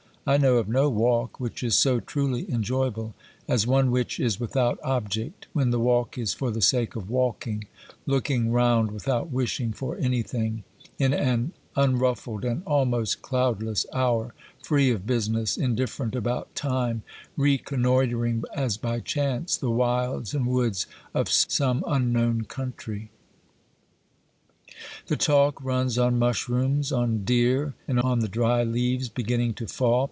I know of no walk which is so truly enjoyable as one which is without object, when the walk is for the sake of walking, looking round without wishing for anything, in an unruffled and almost cloudless hour, free of business, indifferent about time, reconnoitring, as by chance, the wilds and woods of some unknown country. The talk runs on mushrooms, on deer, and on the dry leaves beginning to fall.